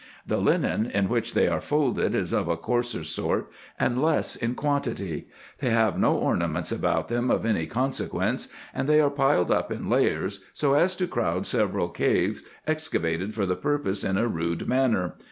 The 168 RESEARCHES AND OPERATIONS linen in which they are folded is of a coarser sort, and less in quantity ; they have no ornaments about them of any consequence, and they are piled up in layers, so as to crowd several caves ex cavated for the purpose in a rude manner.